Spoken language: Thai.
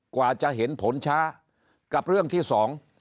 กว่าจะเห็นผลช้ากับเรื่องที่สอง